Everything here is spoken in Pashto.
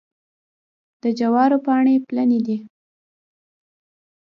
د جوارو پاڼې پلنې دي.